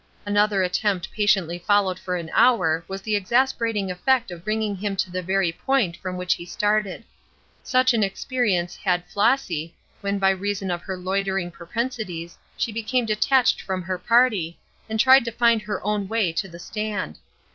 Another attempt patiently followed for an hour has the exasperating effect of bringing him to the very point from which he started. Such an experience had Flossy, when by reason of her loitering propensities she became detached from her party, and tried to find her own way to the stand.